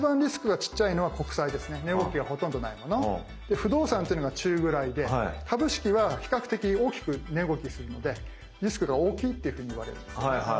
不動産というのが中ぐらいで株式は比較的大きく値動きするのでリスクが大きいっていうふうにいわれるんですね。